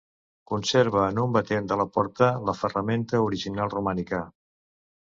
Conserva en un batent de la porta la ferramenta original romànica.